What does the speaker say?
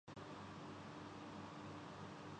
بنی اسرائیل کو جنگ کرنے کا